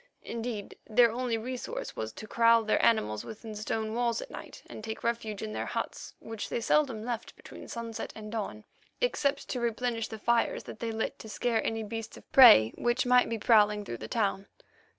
Indeed, their only resource was to kraal their animals within stone walls at night and take refuge in their huts, which they seldom left between sunset and dawn, except to replenish the fires that they lit to scare any beast of prey which might be prowling through the town.